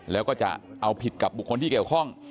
แล้วก็จะเอาผิดกับบุคคลที่เกี่ยวข้อง